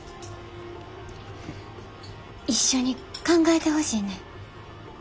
一緒に考えてほしいねん。